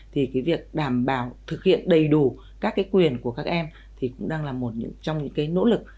thì cái việc đảm bảo thực hiện đầy đủ các cái quyền của các em thì cũng đang là một trong những cái nỗ lực